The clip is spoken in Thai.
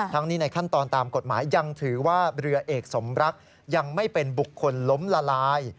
ทั้งนี้ในขั้นตอนตามกฎหมายยังถือว่าเรือเอกสมรักยังไม่เป็นบุคคลล้มละลาย